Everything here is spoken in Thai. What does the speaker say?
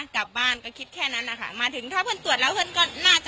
กลับบ้านก็คิดแค่นั้นนะคะมาถึงถ้าเพื่อนตรวจแล้วเพื่อนก็น่าจะ